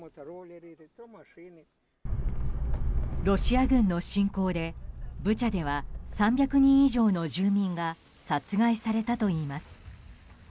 ロシア軍の侵攻でブチャでは３００人以上の住民が殺害されたといいます。